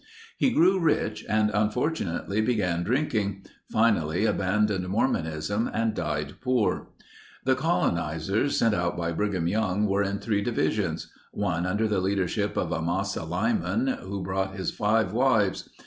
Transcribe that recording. He grew rich and unfortunately began drinking; finally abandoned Mormonism and died poor. The colonizers sent out by Brigham Young were in three divisions. One under the leadership of Amasa Lyman, who brought his five wives.